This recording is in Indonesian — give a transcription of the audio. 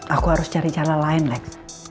aku harus cari cara lain next